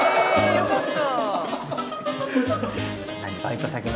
よかった！